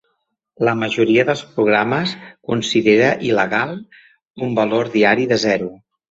La majoria dels programes considera il·legal un valor diari de zero.